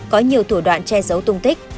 có nhiều thủ đoạn che giấu tung tích